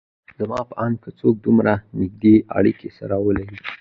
زما په اند که څوک دومره نيږدې اړکې سره ولري